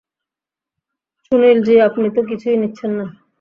সুনিলজি, আপনি তো কিছুই নিচ্ছেন না?